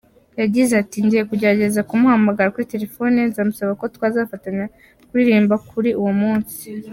Yagize ati: “Ngiye kugerageza kumuhamagara kuri telefoni, nzamusaba ko twazafatanya kuririmba kuri uwo munsi…”.